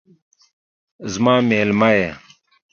زما میلمه یې